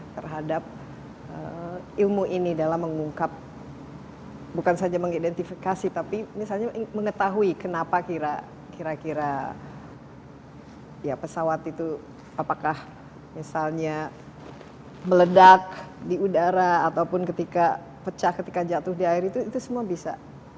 terhadap ilmu ini dalam mengungkap bukan saja mengidentifikasi tapi misalnya mengetahui kenapa kira kira ya pesawat itu apakah misalnya meledak di udara ataupun ketika pecah ketika jatuh di air itu semua bisa